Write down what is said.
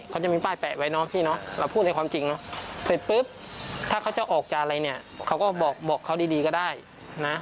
เขาจะมีป้ายแปะไว้เนาะพี่เนาะเราพูดในความจริงเนาะเสร็จปุ๊บถ้าเขาจะออกจากอะไรเนี่ยเขาก็บอกเขาดีก็ได้นะ